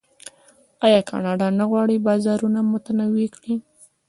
آیا کاناډا نه غواړي بازارونه متنوع کړي؟